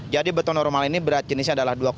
jadi beton normal ini berat jenisnya adalah dua empat